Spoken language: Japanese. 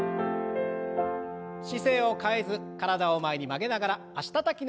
姿勢を変えず体を前に曲げながら脚たたきの運動を。